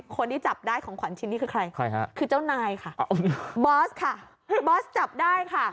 คนที่จับได้ของขวัญชิ้นนี้คือใครใครฮะคือเจ้านายค่ะบอสค่ะบอสจับได้ค่ะ